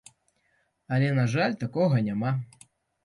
Але на жаль такога няма.